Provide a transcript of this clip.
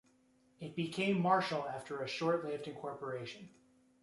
It became Marshall after a short-lived incorporation.